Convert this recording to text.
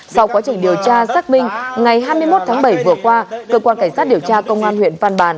sau quá trình điều tra xác minh ngày hai mươi một tháng bảy vừa qua cơ quan cảnh sát điều tra công an huyện văn bàn